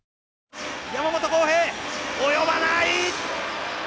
山本耕平及ばない！